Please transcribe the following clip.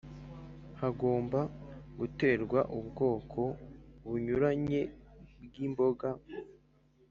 hagomba guterwa ubwoko bunyuranye bw’imboga